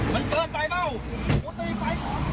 มันเกินไปเปล่า